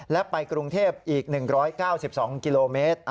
และไปกรุงเทพอีก๑๙๒กิโลเมตร